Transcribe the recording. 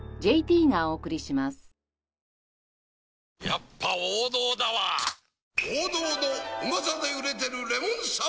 やっぱ王道だわプシュ！